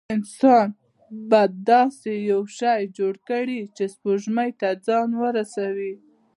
انسان به داسې یو شی جوړ کړي چې سپوږمۍ ته ځان ورسوي.